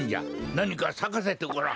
なにかさかせてごらん。